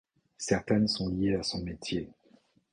Certaines sont liées à son métier.